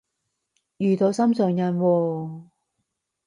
遇到心上人喎？